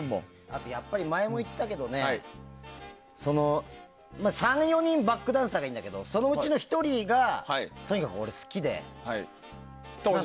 あと前も言ったけど３４人バックダンサーがいるんだけどそのうちの１人がとにかく好きで。